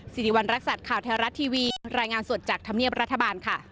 สิริวัณรักษัตริย์ข่าวแท้รัฐทีวีรายงานสดจากธรรมเนียบรัฐบาลค่ะ